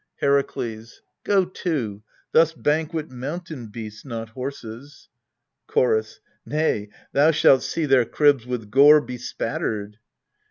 Herakles. Go to thus banquet mountain beasts, not horses. Chorus. Nay, thou shalt see their cribs with gore be spattered.